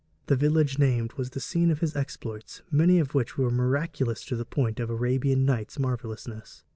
The village named was the scene of his exploits, many of which were miraculous to the point of Arabian Nights marvelousness.